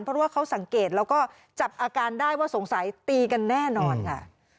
เพราะว่าเขาสังเกตแล้วก็จับอาการได้ว่าสงสัยตีกันแน่นอนค่ะ